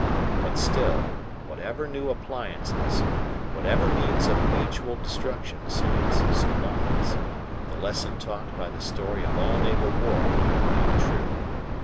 But still, whatever new appliances, whatever means of mutual destruction science supplies, the lesson taught by the story of all naval war will remain true.